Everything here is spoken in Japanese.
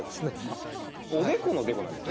あっおでこのデコなんですね。